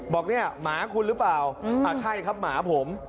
บอกเนี่ยหมาคุณหรือเปล่าใช่ครับหมาผม